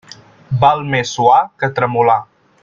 Val més suar que tremolar.